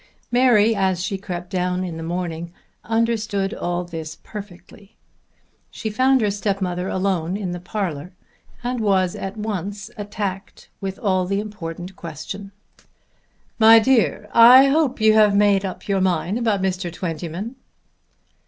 Mary, as she crept down in the morning, understood all this perfectly. She found her stepmother alone in the parlour and was at once attacked with the all important question. "My dear, I hope you have made up your mind about Mr. Twentyman."